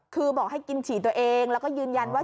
คือบอกให้กินฉี่ตัวเองแล้วก็ยืนยันว่า